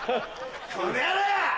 この野郎！